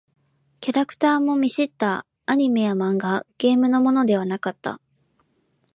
キャラクターも見知ったアニメや漫画、ゲームのものではなかった。